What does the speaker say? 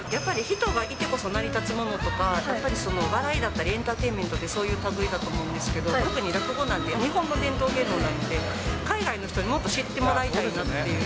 やっぱり人がいてこそ成り立つものとか、やっぱり笑いだったりエンタテインメントってそういうたぐいだと思うんですけど、特に落語なんて日本の伝統芸能なので、海外の人にもっと知ってもらいたいなっていう。